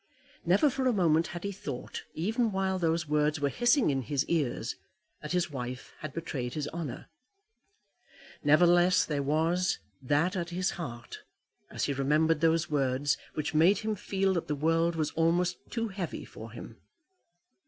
Never for a moment had he thought, even while those words were hissing in his ears, that his wife had betrayed his honour. Nevertheless, there was that at his heart, as he remembered those words, which made him feel that the world was almost too heavy for him.